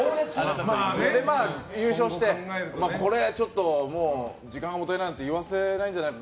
優勝してこれ時間がもったいないなんて言わせないんじゃないか？